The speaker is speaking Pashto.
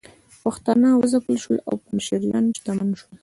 پښتانه وځپل شول او پنجشیریان شتمن شول